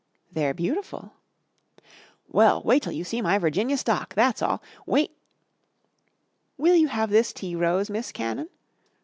"They're beautiful." "Well, wait till you see my Virginia Stock! that's all. Wait " "Will you have this tea rose, Miss Cannon?"